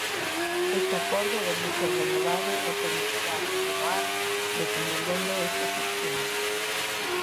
Este acordo ven de ser renovado e permitirá continuar desenvolvendo estas accións.